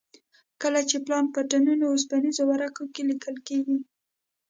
کله چې پلان په ټنونو اوسپنیزو ورقو کې لیکل کېږي.